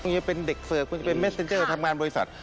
คุณจะเป็นเด็กเสิร์ฟคุณจะเป็นเมสเซ็นเจอร์ทำงานบริษัท